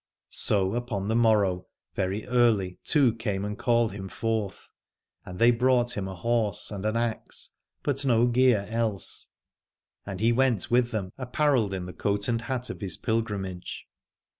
So upon the morrow very early two came and called him forth : and they brought him a horse and an axe, but no gear else, and he went with them apparelled in the cloak 138 Alad ore and hat of his pilgrimage.